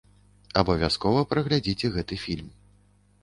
Абавязкова праглядзіце гэты фільм.